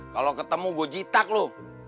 kalau ketemu gue jitak lo